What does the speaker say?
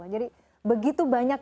jadi begitu banyak